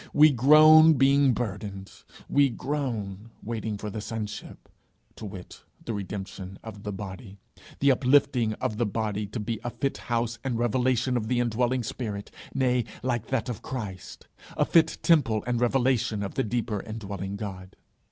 We groan being burdened; we groan, waiting for the sonship to wit, the redemption of the body the uplifting of the body to be a fit house and revelation of the indwelling spirit nay, like that of Christ, a fit temple and revelation of the deeper indwelling God.